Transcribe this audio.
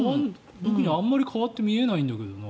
特にあまり変わって見えないんだけどな。